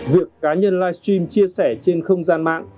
việc cá nhân live stream chia sẻ trên không gian mạng